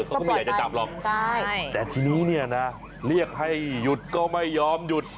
เขาก็ไม่อยากจะจับจะลองแต่ทีนี้เรียกให้ยุดก็ไม่ยอมยุด